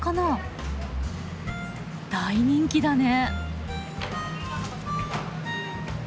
大人気だね。